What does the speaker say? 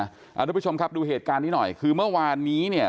ทุกผู้ชมครับดูเหตุการณ์นี้หน่อยคือเมื่อวานนี้เนี่ย